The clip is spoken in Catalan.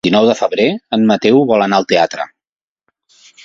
El vint-i-nou de febrer en Mateu vol anar al teatre.